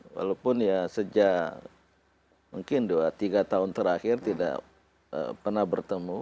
walaupun ya sejak mungkin dua tiga tahun terakhir tidak pernah bertemu